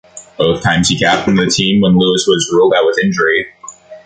Both times he captained the team was when Lewis was ruled out with injury.